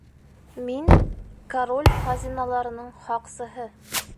— Мин — король хазиналарының һаҡсыһы.